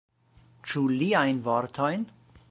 Ĉu liajn vortojn?